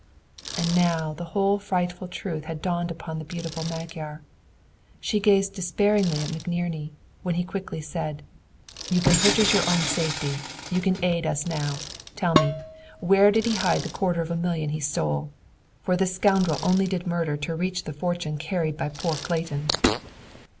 And now the whole frightful truth had dawned upon the beautiful Magyar. She gazed despairingly at McNerney when he quickly said: "You can purchase your own safety; you can aid us now. Tell me, where did he hide the quarter of a million he stole? For this scoundrel only did murder to reach the fortune carried by poor Clayton!"